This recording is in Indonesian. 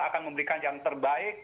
akan memberikan yang terbaik